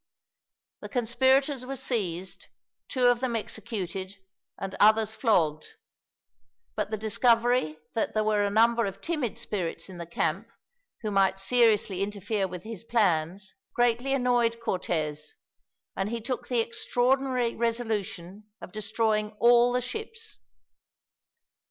The conspirators were seized, two of them executed and others flogged; but the discovery that there were a number of timid spirits in the camp, who might seriously interfere with his plans, greatly annoyed Cortez, and he took the extraordinary resolution of destroying all the ships.